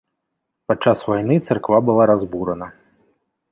Падчас вайны царква была разбурана.